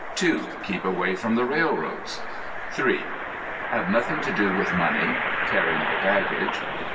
(2) Keep away from the railroads. (3) Have nothing to do with money. Carry no baggage.